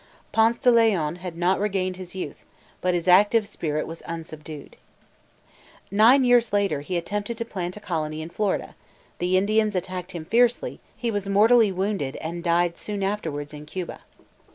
Ponce de Leon had not regained his youth, but his active spirit was unsubdued. Nine years later he attempted to plant a colony in Florida; the Indians attacked him fiercely; he was mortally wounded, and died soon afterwards in Cuba.